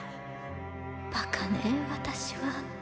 バカね私は。